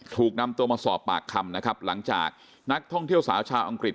ถูกนำตัวมาสอบปากคำนะครับหลังจากนักท่องเที่ยวสาวชาวอังกฤษ